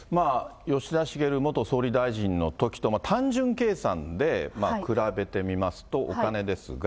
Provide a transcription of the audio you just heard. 吉田茂元総理大臣のときと単純計算で比べてみますと、お金ですが。